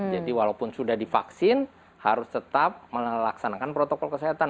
jadi walaupun sudah divaksin harus tetap melaksanakan protokol kesehatan